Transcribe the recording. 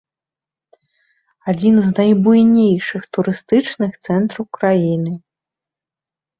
Адзін з найбуйнейшых турыстычных цэнтраў краіны.